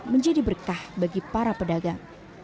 menjadi berkah bagi para pedagang